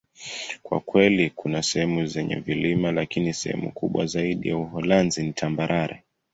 Kwa kweli, kuna sehemu zenye vilima, lakini sehemu kubwa zaidi ya Uholanzi ni tambarare.